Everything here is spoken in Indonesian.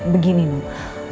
jadi begini noh